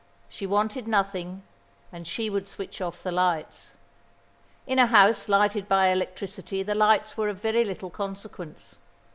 She wanted nothing, and she would switch off the lights. In a house lighted by electricity the lights were of very little consequence.